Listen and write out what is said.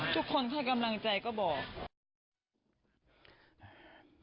ทุกคนให้กำลังใจก็บอก